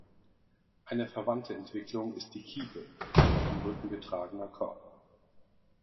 Eine verwandte Entwicklung ist die Kiepe, ein auf dem Rücken getragener Korb.